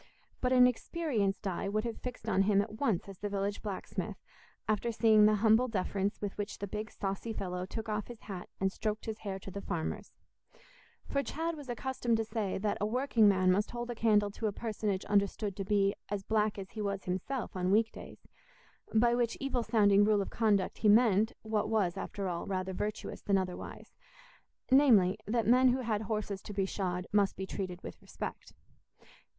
But an experienced eye would have fixed on him at once as the village blacksmith, after seeing the humble deference with which the big saucy fellow took off his hat and stroked his hair to the farmers; for Chad was accustomed to say that a working man must hold a candle to a personage understood to be as black as he was himself on weekdays; by which evil sounding rule of conduct he meant what was, after all, rather virtuous than otherwise, namely, that men who had horses to be shod must be treated with respect.